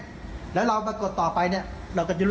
นั่นแหละแล้วก็มันก็